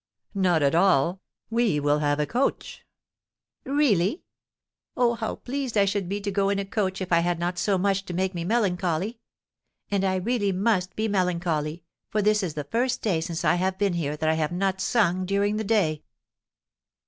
"Not at all. We will have a coach." "Really! Oh, how pleased I should be to go in a coach if I had not so much to make me melancholy! And I really must be melancholy, for this is the first day since I have been here that I have not sung during the day.